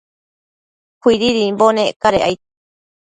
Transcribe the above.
Cuididimbo nec cadec aid